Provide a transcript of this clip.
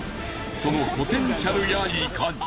そのポテンシャルやいかに？